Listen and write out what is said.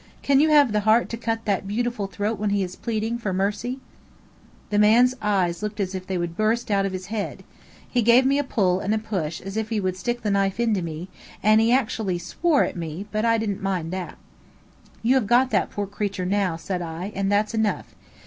Can you have the heart to cut that beautiful throat when he is pleading for mercy?" The man's eyes looked as if they would burst out of his head. He gave me a pull and a push as if he would stick the knife into me, and he actually swore at me, but I didn't mind that. [Illustration: "IF YOU WAS A MAN I'D BREAK YOUR HEAD"] "You have got that poor creature now," said I, "and that's enough.